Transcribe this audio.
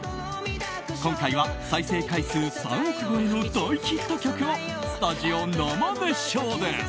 今回は、再生回数３億超えの大ヒット曲をスタジオ生熱唱です。